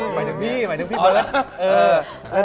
หมายถึงพี่หมายถึงพี่เบิร์ด